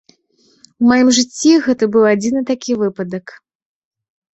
У маім жыцці гэта быў адзіны такі выпадак.